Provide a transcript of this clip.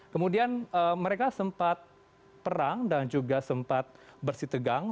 kemudian mereka sempat perang dan juga sempat bersih tegang